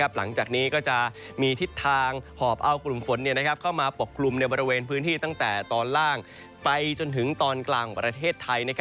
หลังจากนี้ก็จะมีทิศทางหอบเอากลุ่มฝนเข้ามาปกกลุ่มในบริเวณพื้นที่ตั้งแต่ตอนล่างไปจนถึงตอนกลางของประเทศไทย